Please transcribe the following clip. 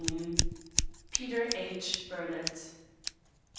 PETER H. BURNETT.